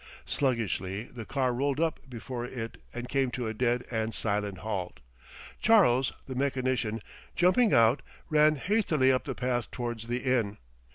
Sluggishly the car rolled up before it and came to a dead and silent halt. Charles, the mechanician, jumping out, ran hastily up the path towards the inn.